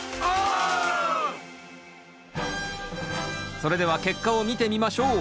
それでは結果を見てみましょう。